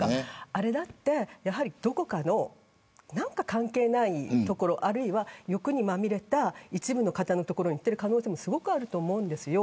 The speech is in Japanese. あれだってやはりどこかの関係ない所あるいは欲にまみれた一部の方の所にいっている可能性もあると思うんですよ。